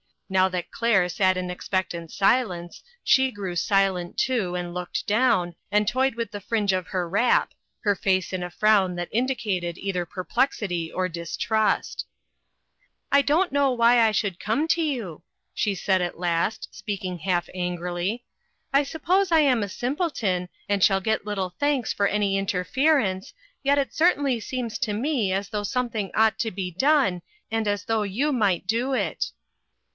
Now that Claire sat in expectant silence, she grew silent too, and looked down, and toyed with the fringe of her wrap, her face in a frown that indicated either perplexity or distrust. " I don't know why I should come to you," she said, at last, speaking half angrily ;" I suppose I am a simpleton, and shall get little thanks for any interference, yet it cer tainly seems to me as though something ought to be done, and as though you might do it."